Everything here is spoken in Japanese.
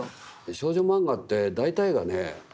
少女漫画って大体がね